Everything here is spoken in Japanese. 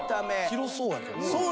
広そうやけどな。